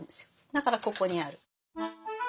だからここにある。